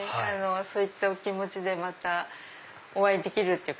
そういったお気持ちでまたお会いできるっていうか。